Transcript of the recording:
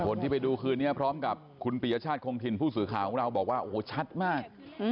คนที่ไปดูคืนนี้พร้อมกับคุณปียชาติคงถิ่นผู้สื่อข่าวของเราบอกว่าโอ้โหชัดมาก